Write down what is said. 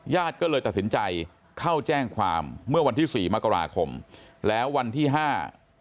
ก็เลยตัดสินใจเข้าแจ้งความเมื่อวันที่สี่มกราคมแล้ววันที่ห้า